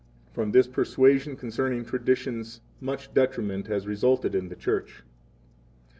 3 From this persuasion concerning traditions much detriment has resulted in the Church.